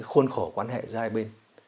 hôn khổ quan hệ giai bên